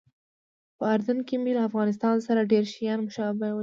په اردن کې مې له افغانستان سره ډېر شیان مشابه ولیدل.